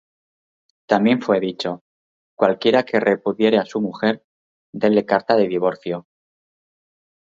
También fué dicho: Cualquiera que repudiare á su mujer, déle carta de divorcio: